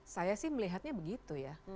saya sih melihatnya begitu ya